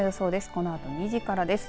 このあと２時からです。